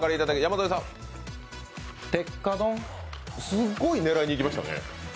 すっごい狙いにいきましたね。